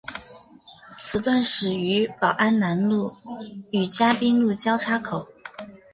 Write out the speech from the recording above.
此段始于宝安南路与嘉宾路交叉口。